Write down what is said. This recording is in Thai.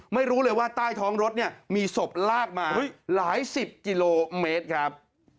ไม่รู้เลยว่าใต้ท้องรถเนี่ยมีศพลากมาหลายสิบกิโลเมตรครับ